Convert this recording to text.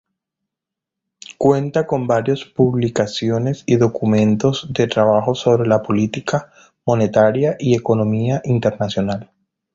Cuenta con varias publicaciones y documentos de trabajo sobre política monetaria y economía internacional.